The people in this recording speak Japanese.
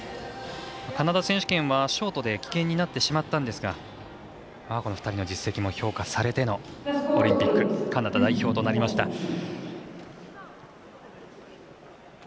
カナダ選手権はショートで棄権になってしまったんですがこの２人の実績も評価されてのオリンピックカナダ代表となりました。